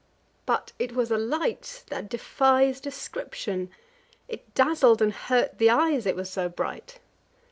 But it was a light that defies description; it dazzled and hurt the eyes, it was so bright.